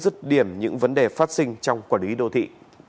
rứt điểm những vấn đề phát sinh trong quản lý đô thị